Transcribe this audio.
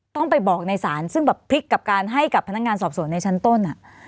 ต้องไปบอกในศาลซึ่งแบบพลิกกับการให้กับพนักงานสอบสวนในชั้นต้น